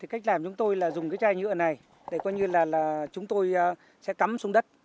cách làm chúng tôi là dùng cái chai nhựa này để coi như là chúng tôi sẽ cắm xuống đất